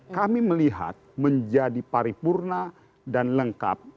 kami melihat menjadi paripurna dan lengkap